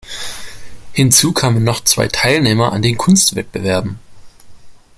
Hinzu kamen noch zwei Teilnehmer an den Kunstwettbewerben.